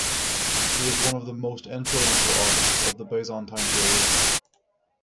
He is one of the most influential artists of the Byzantine period.